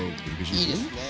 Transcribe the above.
いいですね。